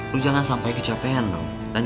lu jangan sampai kecapean dong